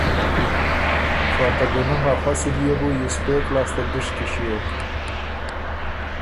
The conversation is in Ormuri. خه ته ګُنم ا فصل يې بو یِسپېک لاسته دُشکی ݭیوک۔